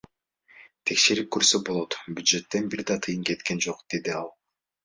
Текшерип көрсө болот, бюджеттен бир тыйын да кеткен жок, — деди ал.